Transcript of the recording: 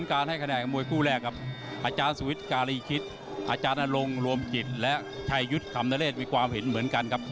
อาจารย์สวิทย์การีคิดอาจารย์อารมณ์รวมจิตและชายยุทธ์คำนเรศวิความผิดเหมือนกันครับ